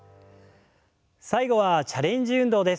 最後はチャレンジ運動です。